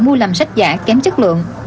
mua làm sách giả kém chất lượng